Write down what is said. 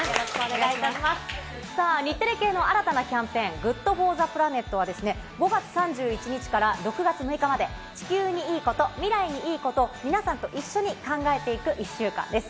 日テレ系の新たなキャンペーン、ＧｏｏｄＦｏｒｔｈｅＰｌａｎｅｔは５月３１日から６月６日まで、地球にいいこと、未来にいいこと、皆さんと一緒に考えていく１週間です。